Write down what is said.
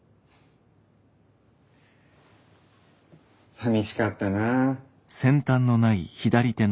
さみしかったなあ。